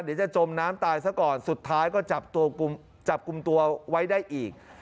เดี๋ยวจะจมน้ำตายซะก่อนสุดท้ายก็จับกลุ่มตัวไว้ได้อีก